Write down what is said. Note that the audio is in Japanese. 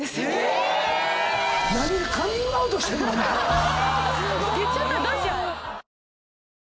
何カミングアウトしてんの⁉